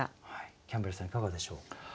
キャンベルさんいかがでしょう？